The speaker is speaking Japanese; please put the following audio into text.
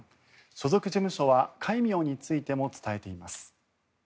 所属事務所は戒名についても伝えています。